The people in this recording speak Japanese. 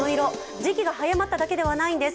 時期が早まっただけではないんです。